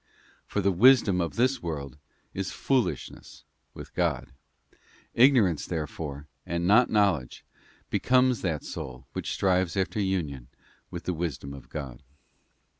For the wisdom of this world is foolishness with God.'t Ignorance, therefore, and not knowledge, becomes that soul which strives after union with the Wisdom of God.